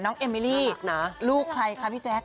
เอมมิลี่ลูกใครคะพี่แจ๊ค